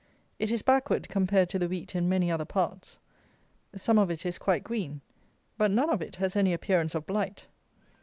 It is backward compared to the wheat in many other parts; some of it is quite green; but none of it has any appearance of blight.